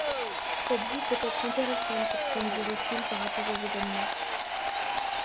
Cette vue peut être intéressante pour prendre du recul par rapport aux événements.